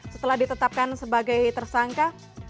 setelah ditetapkan sebagai tersangka